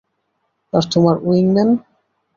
আর তোমার উইংম্যান?